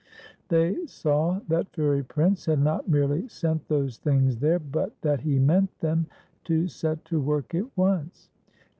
They saw that Fairy Prince had not merely sent those things there, but that he meant them to set to work at once, and TIFSY'S SILVER BELL.